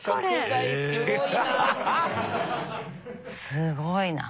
すごいな。